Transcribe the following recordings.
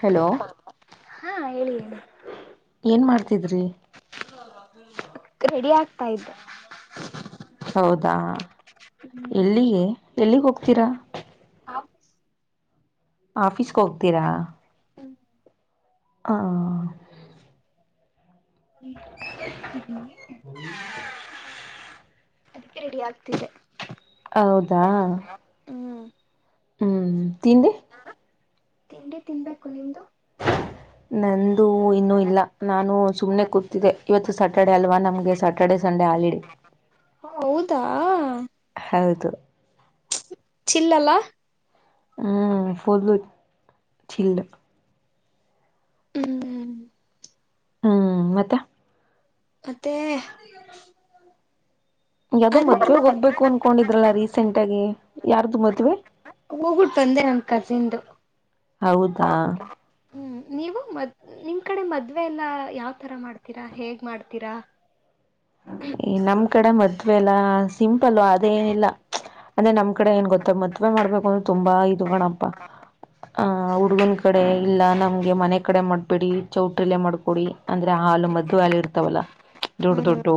Hello ಹಾ ಹೇಳಿ ಹಾ ಏನ್ ಮಾಡ್ತಿದ್ರಿ ಹಾ ರೆಡಿ ಆಗ್ತಾ ಇದ್ದೆ ಹೌದಾ ಆ ಹ್ಮ್ ಎಲ್ಲಿಗೆ ಎಲ್ಲಿಗ್ ಹೋಗ್ತೀರಾ ಹ ಆಫೀಸ್ಗೆ ಹೋಗ್ತೀರಾ ಆಾ ನೀಟಾಗಿ ಕೂತಿದ್ದೀವಿ ಅದಕ್ಕೆ ರೆಡಿ ಆಗ್ತಿದೆ ಹೌದಾ ಹ್ಮ್ ಹ್ಮ್ ತಿ ತಿಂಡಿ ತಿನ್ಬೇಕು ನಿಮ್ದು ಟ್ಕ ನನ್ ದು ಇನ್ನುೂ ಇಲ್ಲ ನಾನು ಸುಮ್ನೆ ಕೂತಿದ್ದಿದೆ ಇವತ್ತು ಸಟರ್ಡೆ ಅಲ್ವಾ ನಮ್ಗೆ ಸ್ಯಾಟರ್ಡೆ ಸಂಡೆ ಹಾಲಿಡೆ ಹೌದಾ ಹೌದು ಚಿಲ್ ಅಲ್ಲ ಹ್ಮ್ ಹಾ ಹೌದ ಚಿಲ್ಲ ಹ್ಮ್ ಹು ಹ್ಮ್ ಮತ್ತೆ ಮತ್ತ ಏ ಯಾವದೋ ಮದ್ವೆಗ್ ಹೋಗ್ಬೇಕು ಅನ್ಕೊಂಡಿದ್ರಲ್ಲ ರೀಸೆಂಟ್ ಆಗಿ ಯಾರ್ದು ಮದ್ವೆ ಹೋಗ್ಬಿಟ್ಟು ಬಂದೆ ನನ್ ಕಸಿನ್ದು ಹೌದಾ ಹ್ಮ್ ನೀವು ಮದ್ ನಿಮ್ ಕಡೆ ಮದ್ವೆ ಎಲ್ಲಾ ಯಾವತರ ಮಾಡ್ತೀರಾ ಹೇಗ್ ಮಾಡ್ತೀರಾ ನಮ್ ಈ ಕಡೆ ಮದ್ುವವೆಲ್ಲ ಸಿಂಪಲ್ ಅದೇನಿಲ್ಲ ಅಂದ್ರೆ ನಮ್ಮ ಕಡೆ ಏ ಗೊತ್ತ ಮದ್ವೆ ಮಾಡಬೇಕು ಅಂದ್ರ ತುಂಬಾ ಗಣಪ್ಪ ಹ ಹುಡುಗನ ಕಡೆ ಇಲ್ಲ ನಮ್ಗೆ ಮನೆ ಕಡೆ ಮಾಡಬೇಡಿ ಚೌಟ್ರಿಲೆ ಮಾಡ್ಕೊಡಿ ಅಂದ್ರೆ ಹಾಲು ಮದ್ದುೆ ಹಾಾಲ ಇರ್ತಾವಲ್ಲ ದೊಡ್ಡ- ಹ್ಮ್ ದೊಡ್ಡು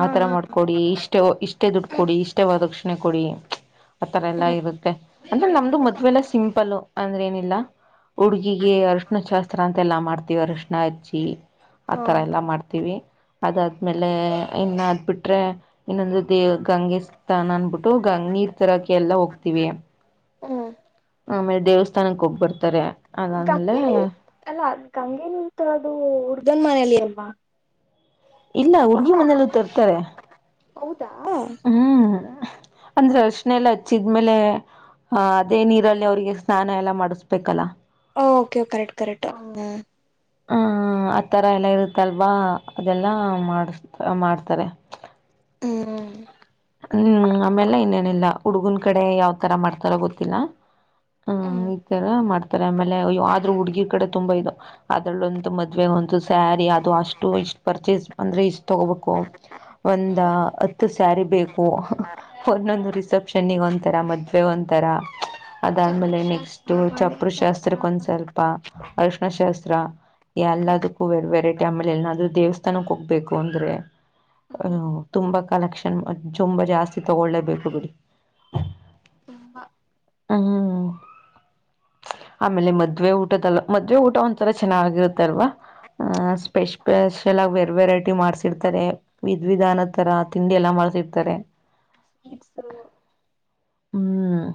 ಹಾ ಆತರ ಮಾಡ್ಕೊಡಿ ಇಷ್ಟೇ ಇಷ್ಟೇ ದುಡ್ ಹಾ ಕೊಡಿ ಇಷ್ಟೇ ವದಕ್ಷಿಣೆ ಕೊಡಿ ಆತರ ಎಲ್ಲಾ ಹ್ಮ್ ಇರುತ್ತೆ ಅಂದ್ರೆ ನಮ್ದು ಮದ್ವೆಲ್ಲ ಸಿಂಪಲ್ ಅಂದ್ರೆ ಏನಿಲ್ಲ ಹುಡುಗಿಗೆ ಅರ್ಶಣ ಶಾಸ್ತ್ರ ಅಂತೆ ಎಲ್ಲಾ ಮಾಡ್ತೀವಿ ಅರಶಣ ಅಜಿ ಹಾ ಆತರ ಎಲ್ಲಾ ಮಾಡ್ತೀವಿ ಅದ ಆಮೇಲೆ ಇನ್ನ ಅಾದ್ ಬಿಟ್ರೆ ಇನ್ನೊಂದು ದೇವ ಗಂಗೆ ಸ್ಥಾನ ಅನ್ಬಿಟ್ಟು ಗ ನೀರ್ ತರಾಕಿ ಎಲ್ಲ ಹೋಗ್ತಿೀವಿ ಹ್ಮ್ ಆಮೇಲೆ ದೇವಸ್ಥಾನಕ್ ಹೋಗ ಬರ್ತಾರೆ ಅದಾದ್ಮೇಲೆ ಗಂಗೆ ನೀಲ್ ಅಲ್ಲ ಗಂಗೆ ನೀಲ್ ತ ಅದು ಹುಡ್ಗನ ಮನೆಯಲ್ಲಿ ಎಲ್ಲ ಇಲ್ಲ ಹುಡುಗಿ ಮನೇಲ್ಲ ತರ್ತಾರೆ ಹೌ [inaudible] ಹ್ಮ್ ಅಂದ್ರೆ ಅರ್ಶನೆ ಎಲ್ಲ ಹಚ್ಚಿದ್ಮೇಲೆ ಆಹ ಅದೇ ನೀರಲ್ಲಿ ಅವ್ರರಿಗೆ ಸ್ನಾನ ಎಲ್ಲ ಮಾಡಿಸ್ಬೇಕಲ್ಲ ಹ ಓಕೆ ಕರೆಕ್ಟ್ ಕರೆಕ್ ಹ್ಮ ಆತರ ಎಲ್ಲ ಇರುತ್ತಲ್ವಾ ಅದೆಲ್ಲಾ ಮಾಡ ಮಾಡ್ತಾರೆ ಹ್ಮ್ ಹ್ಮ್ ಆಮೇಲ್ಲ ಇನ್ನೇನಿಲ್ಲ ಹುಡುಗನ್ ಕಡೆ ಯಾವ್ತರ ಮಾಡ್ತಾರೋ ಗೊತ್ತಿಲ್ಲ ಹಾ ಹ್ಮ್ ಈ ತರ ಮಾಡ್ತ ಅಂತಾರೆ ಆಮೇಲೆ ಆದ್ರೂ ಹುಡುಗಿರ್ ಕಡೆ ತುಂಬಾ ಇದು ಅದ್ರಲ್ಲೊಂತ ಮದ್ವೆ ಒಂತ ಸ್ಯಾರಿ ಅದು ಅಷ್ಟು ಇಷ್ಟ ಪರ್ಚೇಸ್ ಅಂದ್ರೆ ಇಷ್ಟ ತಗೋಬೇಕು ಒಂದ ಹತ್ತು ಜಾರಿ ಬೇಕು ಒಂದೊಂದು ರಿಸಪ್ಷನ್ನಿಗೆ ಒಂತರ ಮದ್ವೆ ಒಂಂತರ ಅದಾದ್ಮೇಲೆ ಚಪ್ಪಲಿ ನೆಕ್ಸ್ಟ್ ಶಾಸ್ತ್ರ ಬಳೆ ಚಪರು ಶಾಸ್ತ್ರ ಶಾಸ್ತ್ರಕ್ಕೆ ಒಂದ್ ಸ್ವಲ್ಪ ಅರ್ಶ್ಣ ಶಾಸ್ತ್ರ ತ್ರ ಎಲ್ಲದಕ್ಕೂ ವೆರೈಟಿ ಅಂಬಲೆ ಎಲ್ಲದು ದೇವಸ್ಥ ತನಕ್ಕೆ ಹೋಗ್ಬೇಕು ಅಂದ್ರೆ ಹ್ಮ್ ತುಂಬಾ ಕಲೆಕ್ಷನ್ ತುಂಬ ಜಾಸ್ತಿ ತಗೊಳ್ಳೇಬೇಕು ಬಿಡಿ ತುಂಬಾ ಹ್ಮ್ ಆಮೇಲೆ ಮದ್ವೆ ಊಟದಲ್ಲ ಮದ್ವೆ ಊಟ ಒಂಥರ ಚೆನ್ನಾಗಿರುತ್ತಲ್ವಾ ಸ್ಪೆಪೆಷಲ್ ಆಗಿ ವೇರ್ ವೆರೈಟಿ ಮಾಡ್ಸಿರ್ತಾರೆ ವಿಧ್ವಿಧಾನ ತರ ತಿಂಡಿ ಎಲ್ಲ ಮಾಡ್ಸತ ತರ ಸ ಹ್ಮ್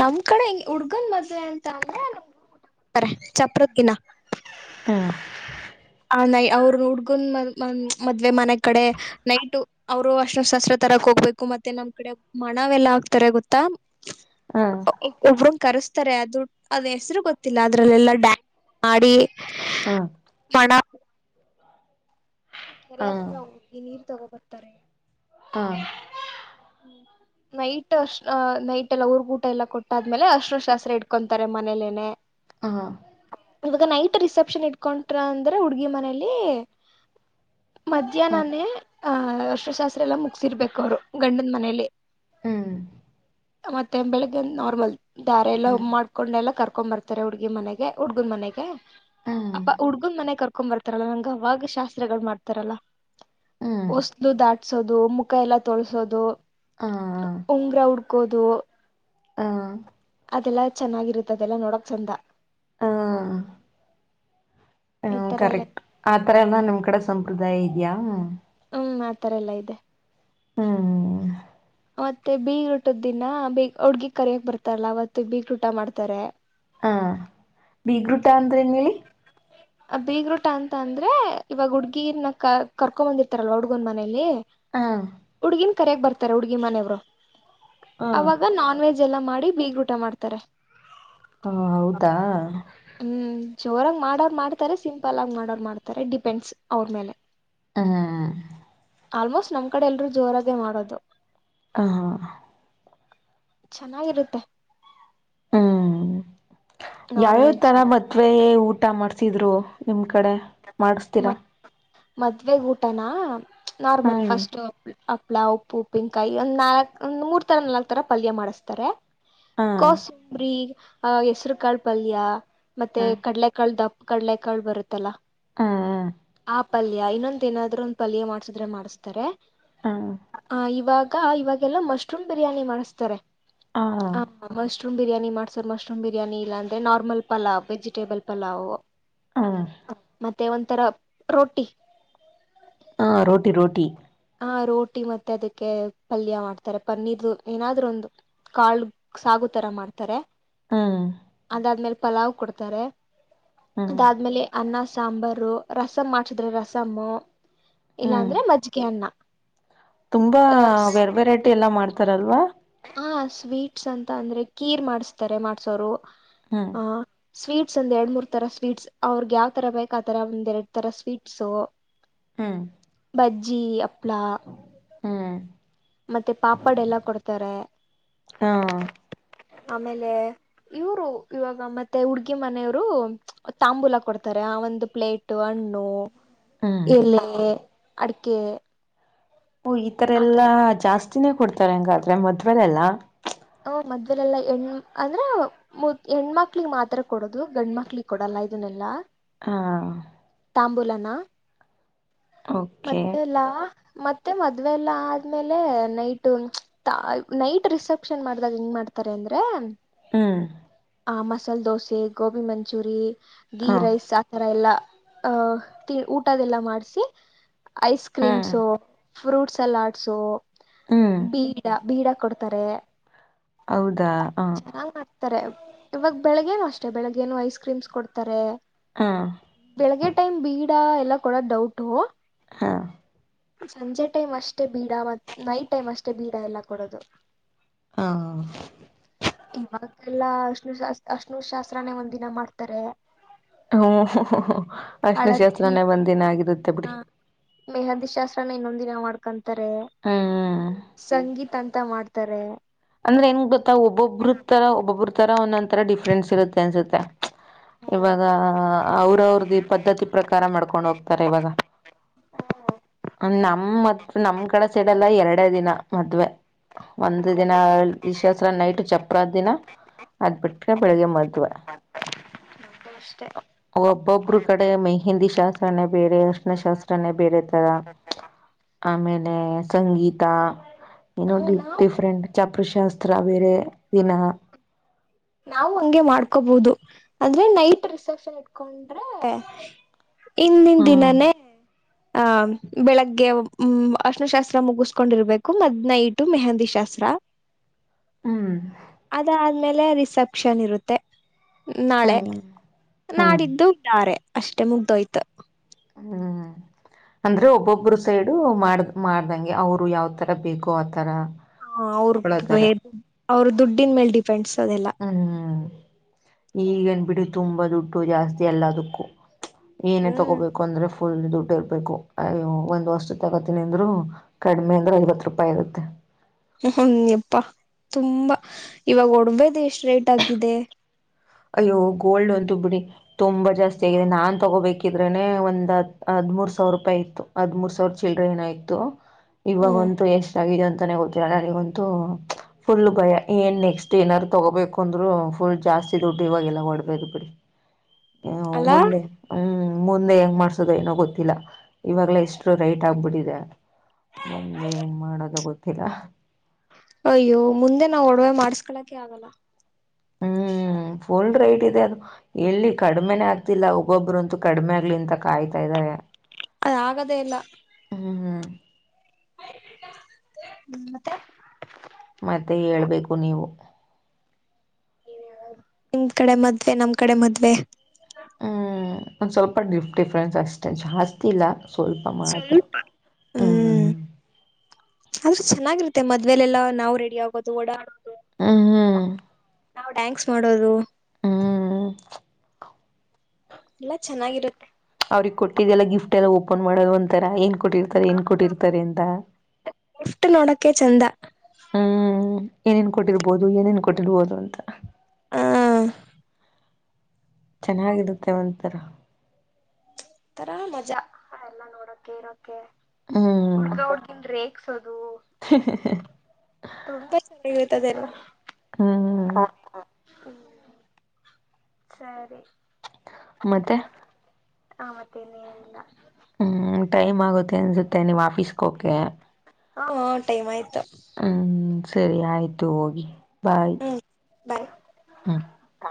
ನಮ್ ಕಡೆ ಹಂಗ ಹುಡ್ಗನ್ ಮದ್ವೆ ಅಂತ ಅಂದ್ರೆಊ ಕೊಡ್ತಾರೆ ಚಪ್ರದ ದಿನ ಹಾ ನ ಅವ್ರ ಹುಡ್ಗನ್ ಮನ್ ಮನ್ ಮದ್ವೆ ಮನೆ ಕಡೆ ನೈಟ್ ಅವರು ಅಷ್ಣ ಶಸ್ತ್ರ ತರಕ್ ಹೋಗ್ಬೇಕು ಮತ್ತೆ ನಮ್ ಕಡೆ ಮಣವೆಲ್ಲಾ ಆಗ್ತಾರೆ ಗೊತ್ತಾ ಹ್ಮ್ ಹ್ಮ್ ಒ ಒಬ್ರು [unintelligible] ಕರೆಸ್ತಾರೆ ಅದು ಅದ್ ಹೆಸರು ಗೊತ್ತಿಲ್ಲ ಅದ್ರಲ್ಲೆಲ್ಲಾ ಡ್ಯಾನ್ಸ್ [unintelligible] ಮಾಡಿ ಹಾ [unintelligible] ಕೆರೆ ಹಾ ಹತ್ರ ಹೋಗ ನೀರ್ ತಗೋಬರ್ತಾರೆ ಹ್ಮ [unintelligible] ನೈಟ್ ಅಷ್ಟ ಅ ನೈಟ್ ಎಲ್ಲಾ ಅವರ್ಗ್ ಊಟ ಎಲ್ಲ ಕೊಟ್ಟಾದ್ಮೇಲೆ ಅರ್ಸನ ಶಾಸ್ತ್ರ ಇಡ್ಕೊಂತಾರೆ ಮನೇಲೆನೆ ಹಾ ಇವಾಗ ನೈಟ್ ರಿಸೆಪ್ಷನ್ ಇಟ್ಕೊಟ್ರ ಅಂದ್ರೆ ಹುಡ್ಗಿ ಮನೇಲಿ ಹ್ಮ್ ಮಧ್ಯಾಹ್ನನೇ ಆ ಅರಿಶಿನಶಾಸ್ತ್ರ ಎಲ್ಲಾ ಮುಗಸಿರ್ಬೇಕು ಅವ್ರು ಗಂಡನ ಮನೇಲಿ ಹ್ಮ್ ಮತ್ತೆ ಬೆಳಗ್ ನಾರ್ಮಲ್ ದಾರೆ ಎಲ್ಲ ಉ ಹ್ಮ್ ಮಾಡಕೊಂಡೆಲ್ಲ ಕರ್ ಕರ್ಕೊಂಡ್ [unintelligible] ಬರ್ತಾರೆ ಹುಡುಗಿ ಮನೆಗೆ ಉುಡ್ಗುನ್ ಮನೆಗೆ ಅಪ ಹುಡ್ಗುನ್ ಮನೆ ಕರ್ [unintelligible] [unintelligible] ಬರ್ತಾರಲ್ಲಾ ನಂಗ್ ಅವಾಗ ಶಾಸ್ತ್ರಗಳು ಮಾಡ್ತಾರಲ್ಲಾ ಹ್ಮ್ ಹೊಸಲು [unintelligible] ದಾಟ್ [unintelligible] ಸೋದು ಮುಖ ಎಲ್ಲ ತೊಳಸೋದು ಹಾ ಉಂಗ್ರ ಉಡ್ [unintelligible] ಕೂದು [unintelligible] ಹಾ ಅದೆಲ್ಲಾ ಚೆನ್ನಾಗಿರುತ್ತ ಅದೆಲ್ಲಾ ನೋಡಕ್ ಚಂದ ಹಾ ಈ ಹ್ಮ ತರ ಎಲ್ಲ ಕರೆಕ್ಟ್ ಆತರ ಎಲ್ಲ ನಿಮ್ ಕಡೆ ಸಂಪ್ರದಾಯ ಇ ಯ [unintelligible] ಹ್ಮ್ ಆತರ ಎಲ್ಲಾ ಇದೆ ಹ್ಮ ಮತ್ತೆ ಬೀಗರೂಟ ದಿನ ಬಿಗ್ ಹುಡ್ಗಿ ಕರಿಯಕ್ ಬರ್ತಾರಲ್ಲ ಅವತ್ತು ಬೀಗ್ ರುಟ ಮಾಡ್ತಾರೆ ಹಾ ಬೀಗೃಟಾ ಅಂದ್ರೆನು ಹೇಳಿ ಬೀಗ್ರೋಟಾ ಅಂತ ಅಂದ್ರೆ ಇವಾಗ ಹುಡ್ಗಿನ ಕ ಕರ್ಕೊ ಬಂದಿರ್ತಾರಲ್ಲ ಹುಡ್ಗನ್ ಮನೇಲಿ ಹಾ ಕರ್ಯಗ್ [unintelligible] ಬರ್ತಾರೆ ಹುಡ್ಗಿ ಮನೆಯವ್ರು ಹ ಅವಾಗ ನಾನ್ ವೆಜ್ ಎಲ್ಲಾ ಮಾಡಿ ಬೀಗ್ರ ಊಟ ಮಾಡ್ತಾರೆ ಹಾ ಹೌದಾ ಜೋರಂಗ್ ಮಾಡೋ ಮಾಡ್ ತರೆ ಸಿಂಪಲ್ ಆಗಿ ಮಾಡೋ ಮಾಡ್ತಾರೆ ಡಿಪೆಂಡ್ಸ್ ಅವ್ರ ಮೇಲೆ ಹ್ಮ್ ಆಲ್ಮೋಸ್ಟ್ ನಮ್ ಕಡೆ ಎಲ್ರೂ ಜೋರಗೆ ಮಾಡೋದು ಹಾ ಚೆನ್ನಾಗಿರುತ್ತೆ ಹ್ಮ್ ನಾನ್ ಯಾವ್ಯಾವ್ ವೆಜ್ ತರ ಮತ್ವೆ ಊಟ ಮಾಡ್ ಸಿದ್ರು ನಿಮ್ ಕಡೆ ಮಾಡ್ಸ್ತೀರಾ ಮದ್ವೆ ಊಟನಾ ನಾರ್ಮಲ್ ಹ್ಮ್ ಫಸ್ಟ್ ಅ ಹಪ್ಳ ಉಪ್ಪು ಉಪಿನ್ಕಾಯಿ ಒಂದ್ ನಾಲ್ಕ್ ಒಂ ಮೂರ್ ತರ ನಲ್ಕಕ್ ತರ ಪಲ್ಯ ಮಾಡಿಸ್ತಾರೆ ಹಾ ಕೊಸುಂಬ್ರಿ ಆ ಹೆಸರು ಕಾಳ್ ಪಲ್ಯ ಮತ್ತೆ ಹ್ಮ ಕಡಲೆಕಾಳ ದಪ್ ಕಡ್ಲೆ ಕಾಳ್ ಬರುತ್ತಲ್ಲಾ ಹ್ಮ್ ಆ ಪಲ್ಯ ಇನ್ನೊಂದ ಏನಾದ್ರೂ ಒಂದ್ ಪಲ್ಯ ಮಾಡ್ಸಿದ್ರೆ ಮಾಡಿಸ್ತಾರೆ ಹ್ಮ್ ಹ ಇವಾಗ್ ಇವಾಗೆಲ್ಲಾ ಮಶ್ರೂಮ್ ಬಿರಿಯಾನಿ ಮಾಡಿಸ್ತಾರೆ ಹ ಫಷ್ ಶ್ರೂಮ್ ಬಿರಿಯಾನಿ ಮಾಡ್ಸರ್ ಮಶ್ರೂಮ್ ಬಿರಿಯಾನಿ ಇಲ್ಲಾ್ರೆ ನಾರ್ಮಲ್ ಪಲಾವ್ಜಿ ವೆಜಿಟೆಬಲ್ ಪಲಾವ್ ಹ ತೆ ಒಂಥರ ರೋಟಿ ಹಾ ರೋಟಿ ರೋಟಿ ಹ ರೋಟಿ ಮತ್ತೆ ಅದಕ್ಕೆ ಪಲ್ಯ ಮಾಡ್ತಾರೆ ಪನ್ನೀರ್ ಏನಾದ್ರು ಒಂದು ಕಾಳ ಸಾಗು ತರ ಮಾಡ್ತಾರೆ ಹ್ಮ್ ಅದಾದ್ಮೇಲೆ ಪಲಾವ್ ಕೊಡ್ತಾರೆ ಹ್ಮ್ ಅದಾದ್ಮೇಲೆ ಅನ್ನ ಸ ಸಾಂಬಾರು ರಸಮ್ಮ ಮಾಡ್ಸಿದ್ರೆ ರಸಮ್ಮ ಇಲ್ಲಾ ಹ್ಮ್ ಅಂದ್ರೆ ಮಜ್ಜಿಗ್ ನ್ನ ತುಂಬಾ ವೆರ್ ವೆರೈಟಿ ಎಲ್ಲಾ ಮಾಡ್ತಾರಲ್ವಾ ಹಾ ಸ್ವೀಟ್ಸ್ ಅಂತ ಅಂದ್ರೆ ಕೀರ್ ಮಾಡಸ್ತಾರೆ ಮಾಡ್ಸೋರು ಹ್ಮ್ ಹಾ ಸ್ವೀಟ್ಸ್ ಒಂದ್ ಎರಡ್ ಮೂರ್ ತರ ಸ್ವೀಟ್ಸ್ ಅವ್ರಗ್ ಯಾವ್ ತರ ಬೇಕ್ ಆತರ ಒಂದ್ ಎರಡ್ ತರ ಸ್ವೀಟ್ಸು ಹ್ಮ್ ಬಜ್ಜಿ ಅಪ್ಳ ಹ್ಮ ಮತ್ತೆ ಪಾಪಾಡ್ ಎಲ್ಲ ಕೊಡ್ತಾರೆ ಹಾ ಆಮೇಲೆ ಇವರು ಇವಾಗ ಮತ್ತೆ ಹುಡ್ಗಿ ಮನೆಯವರು ತಾಂಬೂಲ ಕೊಡ್ತಾರೆ ಆ ಒಂದು ಪ್ಲೇಟ್ ಹಣ್ಣು ಹ್ಮ್ ಎಲೆ ಅಡಕ್ಕೆ ಒ ಈತರ ಎಲ್ಲಾ ಜಾಸ್ತಿ [unintelligible] ಕೊಡ್ತಾರೆಂಗಾದ್ರೆ ಮದ್ವೆಲ್ಲ ಮದ್ವೆಲಲೆಲ್ಲಾ [unintelligible] ಅಂದ್ರೆ ಹೆಣ್ಮಕ್ಳಿಗೆ ಮಾತ್ರ ಕೊಡೋದು ಗಂಡ್ಮಕ್ಳಿಗೆ ಕೊಡಲ್ಲ ಇದನ್ನೆಲ್ಲಾ ಹಾ ತಾಂಬುಲನ ಓಕೆ ಮತ್ತೆ ಎಲ್ಲಾ ಮತ್ತೆ ಮದ್ವೆ ಎಲ್ಲಾ ಆದ್ಮೇಲೆ ನೈಟ್ [unintelligible] ನೈಟ್ ರಿಸೆಪ್ಟ್ [unintelligible] ಆಪ್ಷನ್ ಮಾಡ್ದಾಗ ಹೆಂಗ ಮಾಡ್ತಾರೆ ಅಂದ್ರೆ ಹ್ಮ ಮಸಾಲ್ ದೋಸೆ ಗೋಬಿ ಮಂಚೂರಿ ಹಾ ಗೀರೈಸ್ ಆತರ ಎಲ್ಲ ಆಹ ತಿ ಊಟದೆಲ್ಲ ಮಾಡ್ಸಿ ಐಸ್ ಹ್ಮ್ ಕ್ರೀಮ್ಸು ಫ್ರೂಟ್ಸ್ ಸಲಾಡ್ಸು ಹ್ಮ್ ಬೀಡ ಬೀಡ ಕೊಡ್ತಾರೆ ಹೌದಾ ಹ ತಾರೆ ಇವಾಗ ಬೆಳ್ಗೆನು ಅಷ್ಟೇ ಬೆಳಿಗ್ಗೇನು ಐಸ್ ಕ್ರೀಮ್ಸ್ ಕೊಡ್ತಾರೆ ಹಾ ಬೆಳಗ್ಗೆ ಟೈಮ್ ಬೀಡ ಎಲ್ಲ ಕೊಡ ಡೌಟು ಹಾ ಸಂಜೆ ಟೈಮ್ ಅಷ್ಟೇ ಬೀಡ ಮತ್ ನೈಟ್ ಟೈಮ್ ಅಷ್ಟೇ ಬೀಡ ಎಲ್ಲ ಕೊಡೋದು ಹಾ ಇವಾಗೆಲ್ಲಾ ಅಷ್ಣ ಶಾಸ್ ಅಷ್ಣು ಅಷ್ಣು ಶಾಸ್ತ್ರಾನೇ ಒಂದ ದಿನ ಮಾಡ್ತಾರೆ ಹ್ಮ್ ಅಶನ ಹಳದಿ ಶಾಸ್ತ್ರನೇ ಒಂದಿನ ಆಗಿರುತ್ತೆ ಬಿಡಿ ಮೆಹಂದಿ ಶಸ್ [unintelligible] ನು ನ್ನೊಂದಿನ ಮಾಡ್ಕೊಂಡಂತ ತಾರೆ ಹ್ಮ್ ಸಂಗೀತ ಅಂತ ಅತ ಮಾಡ್ತಾರೆ ಅಂದ್ರೆ ಹೆಂಗ್ ಗೊತ್ತಾ ಒಬ್ಬೊಬ್ಬ್ರ ತರ ಒಬೊಬ್ಬ್ರ ಈ ತರ ಒಂದೊಂದ ತರ ಡಿಫ್ರೆನ್ಸ್ ಇರುತ್ತೆ ಅನ್ಸುತ್ತೆ. ಇವಾಗ ಅವ್ರ ಅವ್ರ್ದು ಪದ್ಧತಿ ಪ್ರಕಾರ ಮಾಡ್ಕೊಂಡ್ ಹೋಗ್ತಾರೆ ಇವಾಗ ನಮ ಮತ್ ನಮ್ ಕಡೆ ಸೆಡ ಎಲ್ಲ ಎರಡೇ ದಿನ ಮದ್ವೆ ಒಂದು ದಿನಸ್ತ್ರ ನೈಟ್ ಚಪ್ರದ ದಿನ ಅದ್ ಬಿಟ್ರೆ ಬೆಳಗ್ಗೆ ಮದುವೆ. ಅಷ್ಟೇ ಒಬ್ಬೊಬ್ರು ಕಡೆ ಮೆಹೆಂದಿ ಶಾಸ್ತ್ರನೇ ಬೇರೆ ಅರ್ಷ್ಣ ಶಾಸ್ತ್ರನೇ ಬೆರೆದು. ರ ಆಮೇಲೆ ಎ ಸಂಗೀತ ಇನು ನಾವು ಡಿಫರೆಂಟ್ ಚಪ್ರಶಾಸ್ತ್ರ ಬೇರೆ ದಿನ ನಾವು ಹಿಂಗೆ ಮಾಡ್ಕೋಬಹುದು ಅಂದ್ರೆ ನೈಟ್ ರಿಸೆಪ್ಷನ್ ಇಟ್ಕೊಂಡ್ರೆ ಹಿಂದಿನ ಹ್ಮ್ ದಿನನೇ ಆಹ ಬೆಳಗ್ಗೆ ಹ್ಮ್ ಅರ್ಷನಶಾಸ್ತ್ರ ಮುಗಿಸಕೊಂಡಿರ್ಬೇಕು ಮತ್ ನೈಟು ಮೆಹೆಂದಿ ಶಾಸ್ತ್ರ ಹ್ಮ್ ಅದಾದ್ಮೇಲೆ ರಿಸ್ ಪಕ್ಷನಿರುತ್ತೆ ನಾಳೆ ಹ್ಮ್ ಹ್ಮ್ ನಾಡಿದ್ದು ಇದ್ದಾರೆ ಅಷ್ಟೆ ಮುಗ್ದೋಯ್ತು ಹ್ಮ್ ಅಂದ್ರೆ ಒಬ್ಬೊಬ್ಬ್ರ ಸೈಡು ಮಾಡ ಮಾಡ್ದಂಗೆ ಅವರು ಯಾವ್ತರ ಬೇಕು ಆತರ ಹಾ ಅವರು ಅವ್ರ ದುಡ್ಡಿನ ಮೇಲೆ ಡಿಫೆಂಡ್ಸ್ ಅದೆಲ್ಲಾ ಈಗನ್ ಬಿಡಿ ತುಂಬಾ ದುಡ್ಡು ಜಾಸ್ತಿ ಎಲ್ಲದಕ್ಕೂ ಏನೇ ಹ್ಮ್ ತಗೋಬೇಕು ಅಂದ್ರೆ ಫುಲ್ ದುಡ್ಡು ಇರ್ಬೇಕು ಅಯ್ಯೋ ಒಂದ್ ವಸ್ತು ತಗೋತನಿ ಅಂದ್ರು ಕಡಿಮೆ ಅಂದ್ರೆ ಐವತ್ ರೂಪಾಯಿ ಇರುತ್ತೆ. ಹ್ಮಯ್ಯಪ್ಪ ತುಂಬಾ ಇವಾಗ ಒಡ್ವೆೇದ ಎಷ್ಟ ರೇಟ್ ಆಗಿದೆ. ಅಯ್ಯೋ ಗೋಲ್ಡ್ ಅಂತು ಬಿಡಿ ತುಂಬಾ ಜಾಸ್ತಿ ಆಗಿದೆ ನಾನ್ ತಗೋಬೇಕಿದ್ರೇನೆ ಒಂದ್ ಹದಿಮೂರು ಸಾವಿರ ರೂಪಾಯಿ ಹದಿಮೂರು ಸಾವಿರ ಚಿಲ್ರೆ ಏನು ಆಯ್ತು. ಹ್ಮ್ ಇವಾಗಂತು ಎಷ್ಟ ಆಗಾಗಿದೆ ಅಂತ ಗತ್ತರ ನನಗಂತೂ ಫುಲ್ ಭಯ ಏನ್ ನೆಕ್ಸ್ಟ್ ಏನಾದ್ರು ತಗೋಬೇಕು ಅಂದ್ರು ಫುಲ್ ಜಾಸ್ತಿ ಟ್ಟು ಇವಾಗೆಲ್ಲ ಒಡ್ಬೇಕದು ಬಿಡಿ ಹ ಅಲ್ಲಾ ಮುಂದೆ ಹ್ಮ್ ಮುಂದೆ ಹೆಂಗ್ ಮಾಡ್ಸೋದು ಏನೋ ಗೊತ್ತಿಲ್ಲ ಇವಾಗ್ಲ ಇಷ್ಟು ರೈಟ್ ಆಗ್ಬಿಟ್ಟಿದೆ ಮುಂದೆ ಹೆಂಗ್ ಮಾಡದು ಗೊತ್ತಿಲ್ಲ ಅಯ್ಯೋ ಮುಂದೆ ನಾವ್ ಒಡವೆ ಮಾಡಸ್ಕಳಕ ಆಗಲ್ಲ ಹ್ಮ್ ಫುಲ್ ರೈಟ್ ಇದೆ ಅದು ಎಲ್ಲಿ ಕಡಿಮೆನೇ ಆಗ್ತಿಲ್ಲ ಒಬ್ಬೊಬ್ಬ್ರಂತೂ ಕಡಿಮೆ ಆಗ್ಲಿಂತ ಕಾಯ್ತಾ ಇದಾರೆ ಅ ಆಗದೇ ಇಲ್ಲ ಹ್ಮ್ ಹ್ಮ್ ಹ್ಮ ಮತ್ತೆ ಮತ್ತೆ ಹೇಳ್ಬೇಕು ನೀವು ನಿಮ್ ಕಡೆ ಮದ್ವೆ ನಮ್ ಕಡೆ ಮದ್ವೆ ಹ್ಮ್ ಒಂದ್ ಸ್ವಲ್ಪ ಡಿಫ್ಟ್ ಡಿಫ್ರೆನ್ಸ್ ಅಷ್ಟೆ ಜಾಸ್ತಿ ಇಲ್ಲ ಸ್ವಲ್ಪ ಮಾತ್ರ ಸ್ವಪ ಹ್ಮ್ ಆದ್ರೆ ಚೆನ್ನಾಗಿರುತ್ತೆ ಮ ಮದ್ೇಲೆಲ್ಲಾ ನಾವು ರಡಿಗೋ ಓಡಾಡೋುದು ಹ ಹಾ ನಾವವು ಟ್ಯಾಂಕ್ಸ್ ಮಾಡೋದು ಎಲ್ಲ ಚೆನ್ನಾಗಿರುತ್ತೆ ಅವ್ರಿಗೆಗ್ ಕೊಟ್ಟಿದ್ದ ಎಲ್ಲ ಗಿಫ್ಟ್ ಎಲ್ಲ ಒಪ್ಪ ಫೋನ್ ಮಾಡದು ಒಥರ ಏನ್ ಕೊಟ್ಟಿರ್ತಾರೆ ಏನ್ ಕೊಟ್ಟಿರ್ತಾರೆ ಅಂತ ಗಿಫ್ಟ್ ನೋಡಕ್ಕೆ ಚಂದ ಹ್ಮ್ ಏನೇನ್ ಕೊಟ್ಟಿರ್ಬೋದು ಏನೇನ್ ಕೊಟ್ಟಿರ್ಬೋದು ಅಂತ ಹಾ ಚೆನ್ನಾಗಿರುತ್ತೆ ಒಥರ ರ ಮಜಾ ಎಲ್ಲಾ ನೋಡಕೆ ಇರ ಹ್ಮ್ ಹುಡ್ಗ ಹುಡ್ಗಿನ್ ರೇಗ್ಸೋದು ತುಂಬಾ ಚಾಗಿ ಇರ್ತದೆಲ್ಲ ಹ್ಮ್ಮ್ ಹ್ಮ ಸರಿ ಮತ್ತೆ ಹ ಮತ್ತೆನ್ ಏನಿಲ್ಲ ಹ್ಮ್ ಟೈಮ್ ಆಗುತ್ತೆ ಅನ್ಸುತ್ತೆ ನೀವ್ ಆಫೀಸ್ಗೆ ಹಕೆ ಹಾ ಟೈಮ್ ಆಯ್ತು ಹ್ಮ್ ಸರಿ ಆಯ್ತು ಹೋಗಿ ಬಾಯ್ ಬಾಯ್ ಹಾ ಹಾ